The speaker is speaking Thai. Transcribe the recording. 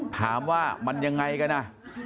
ถามว่ามันยังไงกันอ่ะ